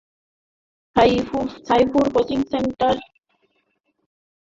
সাইফুরস coaching centre অক্টোবরের শেষ দিক থেকে বিশ্ববিদ্যালয়ে ভর্তি কোচিংয়ে ভর্তির বিজ্ঞাপন দিচ্ছে।